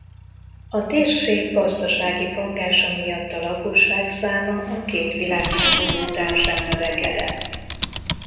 A térség gazdasági pangása miatt a lakosság száma a két világháború után sem növekedett.